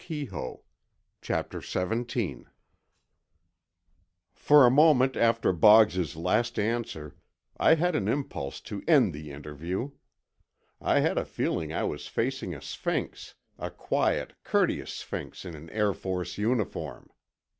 CHAPTER XVII For a moment after Boggs's last answer, I had an impulse to end the interview. I had a feeling I was facing a sphinx—a quiet, courteous sphinx in an Air Force uniform.